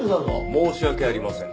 申し訳ありません。